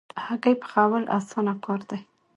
هګۍ پخول اسانه کار دی